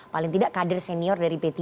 paling tidak kader senior dari p tiga